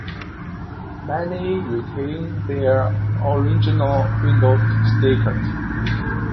Many retain their original window stickers.